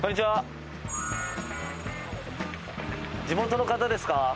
地元の方ですか？